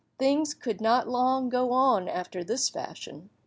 Things could not long go on after this fashion.